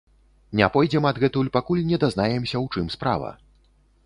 Не пойдзем адгэтуль, пакуль не дазнаемся, у чым справа.